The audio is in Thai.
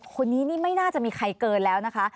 คนนี้นี่ไม่น่าจะมีใครเกินแล้วนะคะ